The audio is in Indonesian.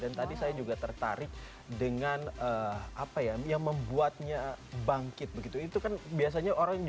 dan tadi saya juga tertarik dengan apa ya yang membuatnya bangkit begitu itu kan biasanya orang orang